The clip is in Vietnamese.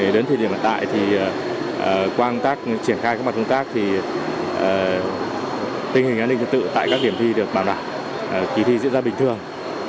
đến thời điểm hiện tại thì qua công tác triển khai các mặt công tác thì tình hình an ninh trật tự tại các điểm thi được bảo đảm kỳ thi diễn ra bình thường